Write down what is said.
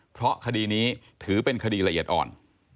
เพราะคดีนี้ถือเป็นคดีละเอียดอ่อน